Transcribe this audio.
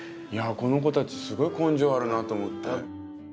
この子たちすごい根性あるなと思って。